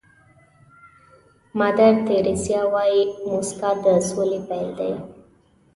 مادر تیریسا وایي موسکا د سولې پيل دی.